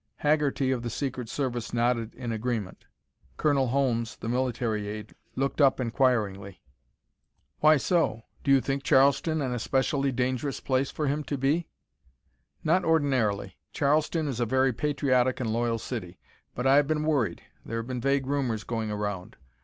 Haggerty of the secret service nodded in agreement. Colonel Holmes, the military aide, looked up inquiringly. "Why so? Do you think Charleston an especially dangerous place for him to be?" "Not ordinarily. Charleston is a very patriotic and loyal city, but I have been worried. There have been vague rumors going around.